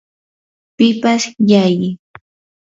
pipas llalliy ganar, vencer